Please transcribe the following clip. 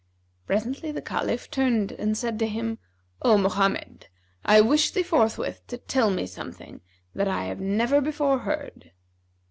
Presently the Caliph turned and said to him, "O Mohammed, I wish thee forthwith to tell me something that I have never before heard."